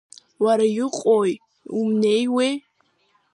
Уара, иҟои, умнеиуеи?